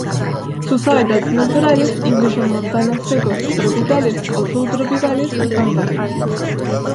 Sus hábitats naturales incluyen montanos secos tropicales o subtropicales y pantanos.